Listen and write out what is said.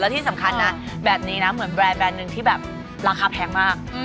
ที่สำคัญนะแบบนี้นะเหมือนแบรนด์หนึ่งที่แบบราคาแพงมาก